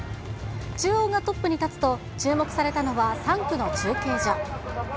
中央がトップに立つと、注目されたのは、３区の中継所。